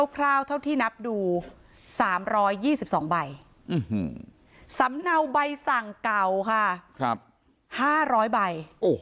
เท่าที่นับดู๓๒๒ใบสำเนาใบสั่งเก่าค่ะ๕๐๐ใบ